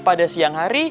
pada siang hari